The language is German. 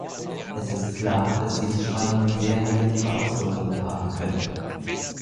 Es ist klar, dass diese Spannungen sehr negative Auswirkungen haben können.